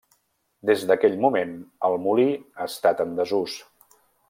Des d'aquell moment, el molí ha estat en desús.